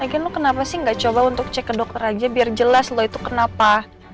agen lo kenapa sih nggak coba untuk cek ke dokter aja biar jelas lo itu kenapa